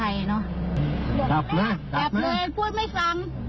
อยากไปดู